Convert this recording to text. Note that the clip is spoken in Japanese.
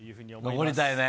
残りたいね。